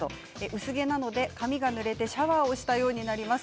薄毛なので髪がぬれてシャワーをしたようになります。